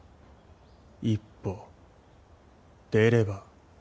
一歩出れば